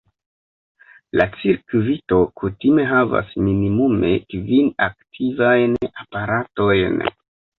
La cirkvito kutime havas minimume kvin aktivajn aparatojn.